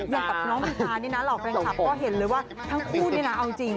อย่างกับน้องมินตานี่นะเหล่าแฟนคลับก็เห็นเลยว่าทั้งคู่เนี่ยนะเอาจริง